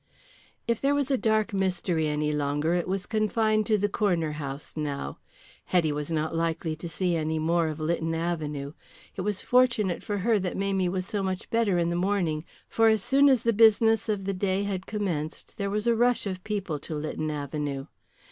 If there was a dark mystery any longer it was confined to the Corner House now. Hetty was not likely to see any more of Lytton Avenue. It was fortunate for her that Mamie was so much better in the morning, for as soon as the business of the day had commenced there was a rush of people to Lytton Avenue.